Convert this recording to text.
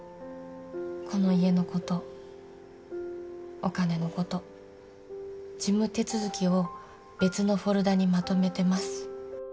「この家のことお金のこと事務手続きを別のフォルダにまとめてます」